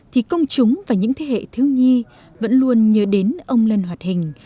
thì công chúng và những thế hệ thiếu nhi vẫn luôn nhớ đến ông lân họa hình